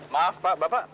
maaf pak bapak